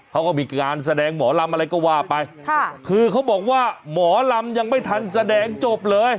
เขาก็มีการแสดงหมอลำอะไรก็ว่าไปค่ะคือเขาบอกว่าหมอลำยังไม่ทันแสดงจบเลย